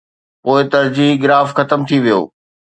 پوءِ ترجيحي گراف ختم ٿي ويو.